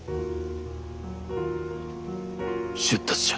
出立じゃ。